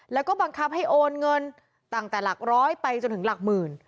แล้วก็บังคับให้โอนเงินตั้งแต่หลักร้อยไปจนถึงหลักหมื่น